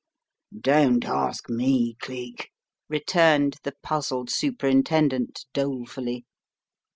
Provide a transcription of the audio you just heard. "Don't ask me, Cleek," returned the puzzled Superintendent, dolefully.